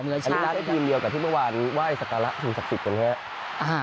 อันนี้คาดให้ทีมเดียวกับที่เมื่อวานไหว้สการะถึงสักสิบกันแหละ